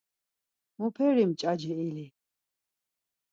Muperi mç̌aci ili?